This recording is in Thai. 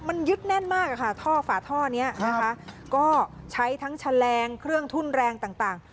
มันยึดแน่นมากอะค่ะท่อฝาท่อนี้นะคะก็ใช้ทั้งแฉลงเครื่องทุ่นแรงต่าง